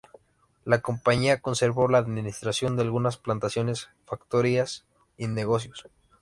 La compañía conservó la administración de algunas plantaciones, factorías y negocios.